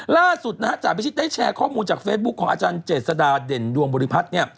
ล่าสุดนะฮะจ่าพิชิตได้แชร์ข้อมูลจากเฟซบุ๊คของอาจารย์เจษฎาเด่นดวงบริพัฒน์เนี่ย